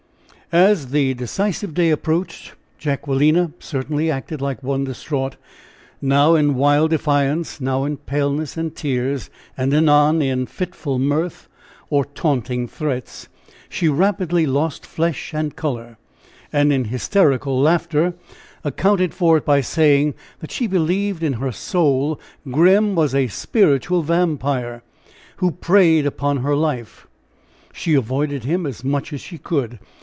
As the decisive day approached, Jacquelina certainly acted like one distraught now in wild defiance, now in paleness and tears, and anon in fitful mirth, or taunting threats. She rapidly lost flesh and color, and in hysterical laughter accounted for it by saying that she believed in her soul Grim was a spiritual vampire, who preyed upon her life! She avoided him as much as she could.